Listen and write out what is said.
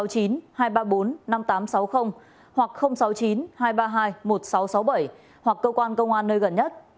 hoặc sáu mươi chín hai trăm ba mươi hai một nghìn sáu trăm sáu mươi bảy hoặc cơ quan công an nơi gần nhất